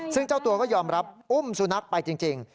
ซึ่งเจ้าตัวก็ยอมรับอุ้มสุนัขไปจริง